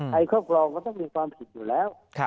ใครต้องกลอกก็จะมีความผิดอยู่แล้ว